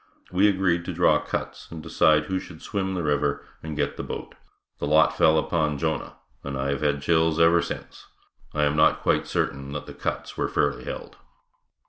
We agreed to draw cuts and decide who should swim the river and get the boat. The lot fell upon Jonah, and I have had chills ever since. I am not quite certain that the cuts were fairly held.